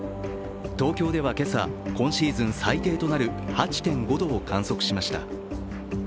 東京では今朝、今シーズン最低となる８．５度を観測しました。